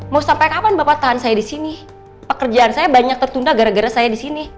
mau sampai kapan bapak tahan saya di sini pekerjaan saya banyak tertunda gara gara saya di sini